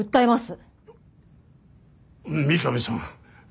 三上さん